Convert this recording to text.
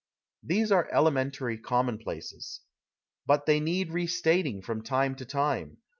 These are elementary commonplaces. But they need restating from time to time.